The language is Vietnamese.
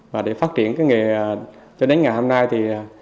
và để phát triển cái nghề cho đến ngày hôm nay thì